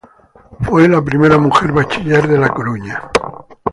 Fue la primera mujer bachiller de La Coruña.